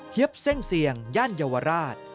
เฮียบเส้งเสี่ยงย่านเยาวราช